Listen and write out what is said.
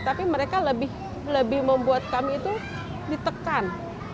tapi mereka lebih membuat kami itu ditekan